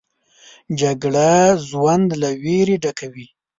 جګړه ژوند له ویرې ډکوي